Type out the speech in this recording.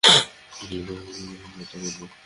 এখন তারা আমাদের নির্মমভাবে হত্যা করবে।